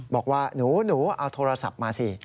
บอกว่าหนูเอาโทรศัพท์มาสิ